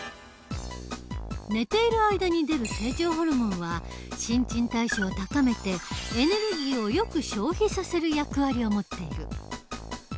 寝ている間に出る成長ホルモンは新陳代謝を高めてエネルギーをよく消費させる役割を持っている。